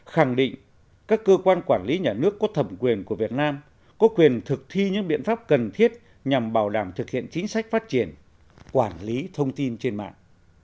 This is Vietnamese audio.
khẳng định các cơ quan quản lý nhà nước có thẩm quyền của việt nam có quyền thực thi những biện pháp cần thiết nhằm bảo đảm thực hiện chính sách phát triển quản lý thông tin trên mạng